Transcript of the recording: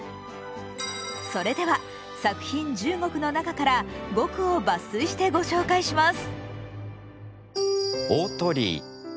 それでは作品十五句の中から五句を抜粋してご紹介します。